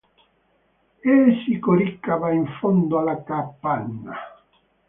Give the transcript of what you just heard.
E si coricava in fondo alla capanna.